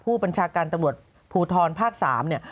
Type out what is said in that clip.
ผู้บัญชาการตำรวจภูทรภาค๓เนี่ย